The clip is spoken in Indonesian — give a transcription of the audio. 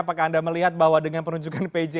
apakah anda melihat bahwa dengan penunjukan pj